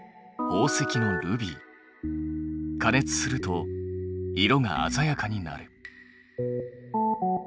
加熱すると色があざやかになる。